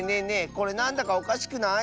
これなんだかおかしくない？